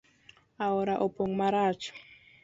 Aora opong marach.